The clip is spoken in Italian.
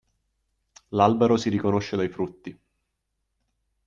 L'albero si riconosce dai frutti.